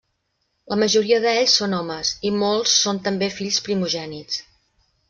La majoria d'ells són homes, i molts són també fills primogènits.